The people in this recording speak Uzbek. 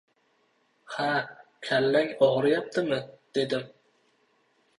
— Ha, kallang og‘riyaptimi? — dedim.